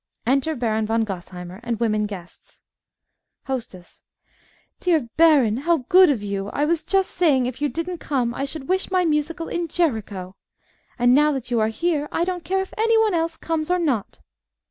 (Enter Baron von Gosheimer and women guests.) HOSTESS Dear baron, how good of you! I was just saying, if you didn't come I should wish my musicale in Jericho. And, now that you are here, I don't care if any one else comes or not.